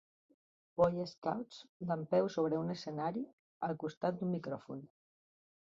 Boy Scouts dempeus sobre un escenari al costat d'un micròfon.